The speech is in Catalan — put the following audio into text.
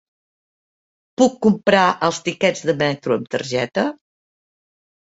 Puc comprar els tiquets de metro amb targeta?